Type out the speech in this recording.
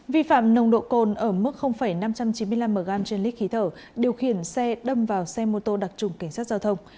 vi phạm nồng độ cồn ở mức năm trăm chín mươi năm mg trên lít khí thở điều khiển xe đâm vào xe mô tô đặc trùng cảnh sát giao thông